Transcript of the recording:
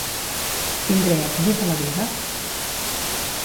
Tindré èxit a la vida?